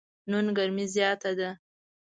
نن ګرمي زیاته ده.